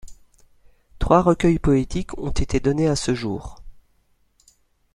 Trois recueils poétiques ont été donnés à ce jour.